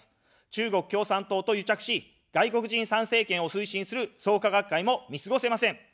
中国共産党と癒着し、外国人参政権を推進する創価学会も見過ごせません。